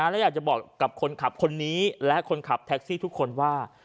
และอยากจะบอกกับคนขับคนนี้และคนขับแท็กซี่ทุกคนว่า